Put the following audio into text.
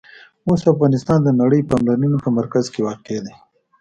اوس افغانستان د نړۍ د پاملرنې په مرکز کې واقع دی.